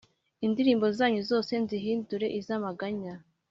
indirimbo zanyu zose nzihindure iz’amaganya.